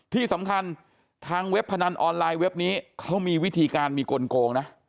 ที่สำคัญทางเว็บพนันออนไลน์เว็บนี้เขามีวิธีการมีกลโกงนะ